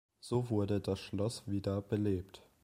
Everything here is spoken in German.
So wurde das Schloss wieder belebt.